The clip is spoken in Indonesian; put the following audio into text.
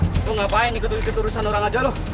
lo ngapain ikut ikut urusan orang aja lo